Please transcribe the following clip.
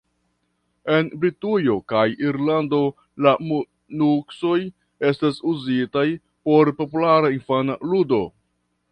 En Britujo kaj Irlando, la nuksoj estas uzitaj por populara infana ludo.